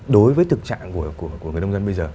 đối với thực trạng của người nông dân bây giờ